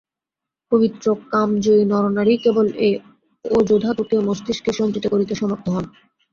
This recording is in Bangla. পবিত্র কামজয়ী নরনারীই কেবল এই ওজোধাতুকে মস্তিষ্কে সঞ্চিত করিতে সমর্থ হন।